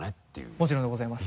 もちろんでございます。